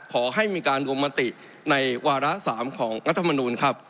ขอให้มีการรวมมติในวาระ๓ของรัฐมนูลครับ